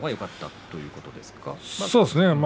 そうですね。